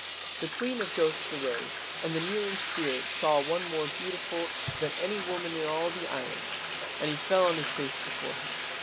The queen of ghosts arose, and the kneeling spirit saw one more beautiful than any woman in all the island, and he fell on his face before her.